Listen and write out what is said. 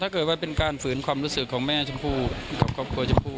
ถ้าเกิดว่าเป็นการฝืนความรู้สึกของแม่ชมพู่กับครอบครัวชมพู่